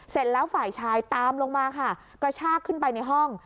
เสร็จแล้วฝ่ายชายตามลงมาค่ะกระชากขึ้นไปในห้อง